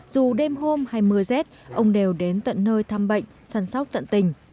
dù đêm hôm hay mưa rét ông đều đến tận nơi thăm bệnh chăm sóc tận tình